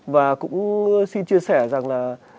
và cũng xin chia sẻ rằng là